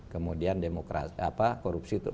kemudian demokrasi korupsi itu